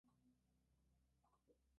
Ediciones Pontón..